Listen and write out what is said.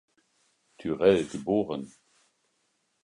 Tyrell, geboren.